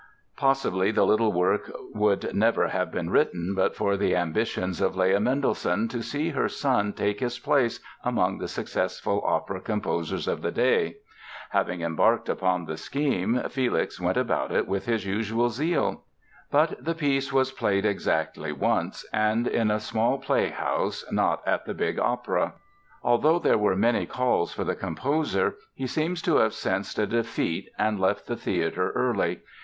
Possibly the little work would never have been written but for the ambitions of Leah Mendelssohn to see her son take his place among the successful opera composers of the day. Having embarked upon the scheme Felix went about it with his usual zeal. But the piece was played exactly once, and in a small playhouse, not at the big opera. Although there were many calls for the composer he seems to have sensed a defeat and left the theatre early.